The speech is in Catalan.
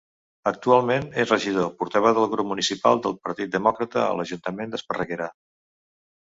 Actualment és regidor portaveu del Grup Municipal del Partit Demòcrata a l'Ajuntament d'Esparreguera.